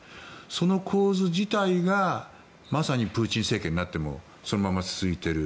その構図自体がまさにプーチン政権になってもそのまま続いている。